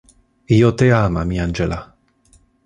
Io te ama, mi angela.